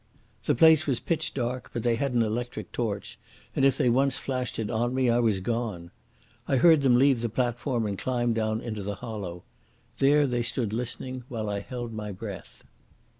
The place was pitch dark, but they had an electric torch, and if they once flashed it on me I was gone. I heard them leave the platform and climb down into the hollow. There they stood listening, while I held my breath.